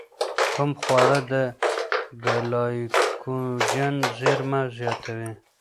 کوم خواړه د ګلایکوجن زېرمه زیاتوي؟